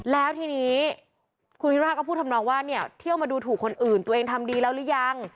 แล้วทีนี้คุณพิธาก็พูดทำนองว่าเนี่ยเที่ยวมาดูถูกคนอื่นตัวเองทำดีแล้วหรือยัง